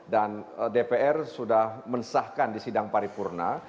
dan dpr sudah mensahkan di sidang paripurna